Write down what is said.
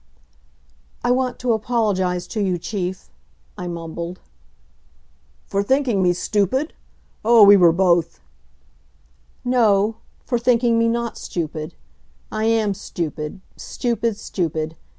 "I want to apologize to you, Chief," I mumbled. "For thinking me stupid? Oh, we were both " "No, for thinking me not stupid. I am stupid stupid stupid.